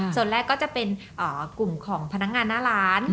ส่วนแรกก็จะเป็นกลุ่มของพนักงานหน้าร้าน